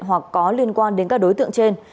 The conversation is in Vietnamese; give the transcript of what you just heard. hoặc có liên quan đến các đối tượng trên